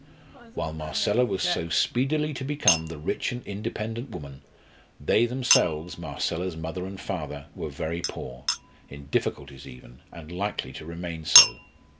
While Marcella was so speedily to become the rich and independent woman, they themselves, Marcella's mother and father, were very poor, in difficulties even, and likely to remain so.